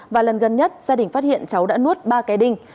và lần gần nhất gia đình phát hiện cháu đã nuốt ba cái đinh